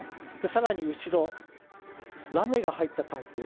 更に後ろ、ラメが入ったタイプ。